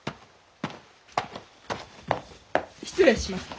失礼します。